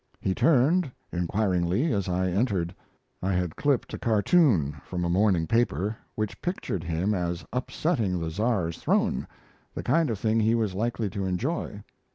He turned, inquiringly, as I entered. I had clipped a cartoon from a morning paper, which pictured him as upsetting the Tsar's throne the kind of thing he was likely to enjoy.